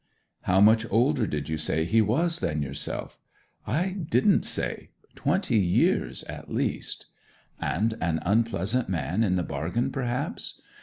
'How much older did you say he was than yourself?' 'I didn't say. Twenty years at least.' 'And an unpleasant man in the bargain perhaps?'